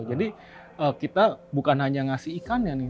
jadi kita bukan hanya ngasih ikannya nih